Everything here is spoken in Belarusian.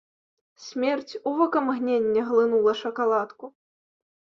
Смерць у вокамгненне глынула шакаладку.